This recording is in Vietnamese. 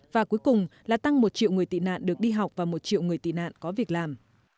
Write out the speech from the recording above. và cuối cùng là tăng một triệu người tị nạn được đi học và một triệu người tị nạn có việc làm